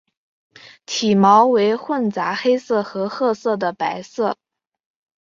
体毛为混杂黑色和褐色的白色。